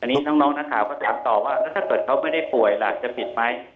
อันนี้น้องนักข่าวก็ถามต่อว่าแล้วถ้าเกิดเขาไม่ได้ป่วยล่ะจะปิดไหม